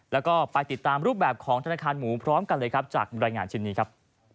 แล้วก็ไปติดตามรูปแบบของธนาคารหมูพร้อมกันเลยครับจากบรรยายงานชิ้นนี้ครับ